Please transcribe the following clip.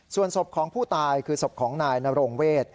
ส่วนศพของผู้ตายคือศพของนายนโรงเวท